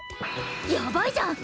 やばいじゃん！